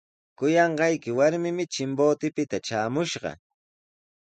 Kuyanqayki warmimi Chimbotepita traamushqa.